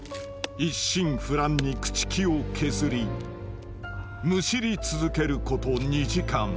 一心不乱に朽ち木を削りむしり続けること２時間。